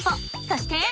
そして！